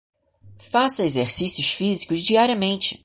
Faça exercícios físicos diariamente